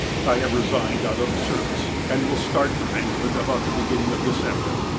I have resigned out of the service, and will start for England about the beginning of December.